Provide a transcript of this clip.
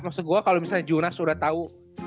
maksud gue kalo misalnya junas udah tau